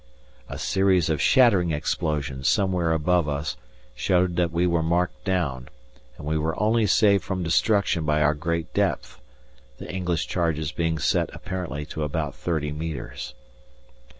A series of shattering explosions somewhere above us showed that we were marked down, and we were only saved from destruction by our great depth, the English charges being set apparently to about thirty metres.